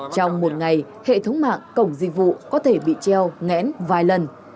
trong một ngày hệ thống mạng cổng dịch vụ có thể bị treo ngẽn vài lần